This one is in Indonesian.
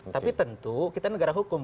tapi tentu kita negara hukum